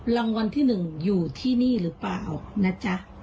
รางวัลที่๑อยู่ที่นี่หรือเปล่านะจ๊ะ